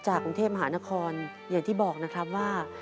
กรุงเทพมหานครอย่างที่บอกนะครับว่า